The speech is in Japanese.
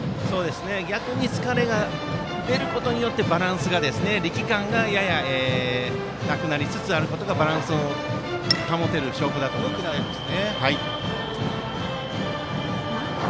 逆に疲れが出ることで力感がなくなりつつあることがバランスを保てる証拠だと思います。